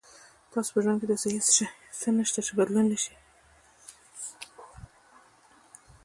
تاسو په ژوند کې داسې هیڅ څه نشته چې بدلون نه شي.